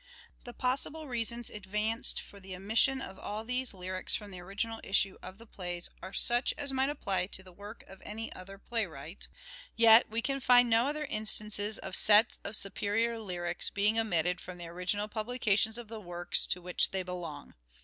The possible reasons advanced for the omission of all these lyrics from the original issue of the plays are such as might apply to the work of any other play wright ; yet we can find no other instances of sets of superior lyrics being omitted from the original publica tion of the works to which they belong.